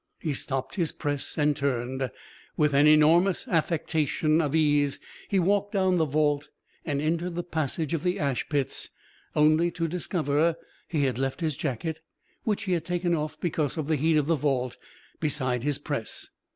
He stopped his press and turned. With an enormous affectation of ease he walked down the vault and entered the passage of the ash pits, only to discover he had left his jacket which he had taken off because of the heat of the vault beside his press.